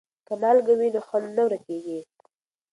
که مالګه وي نو خوند نه ورکیږي.